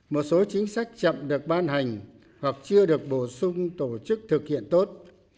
một số chính sách chậm được ban hành hoặc chưa được bổ sung tổ chức thực hiện tốt